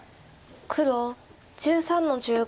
黒１３の十五。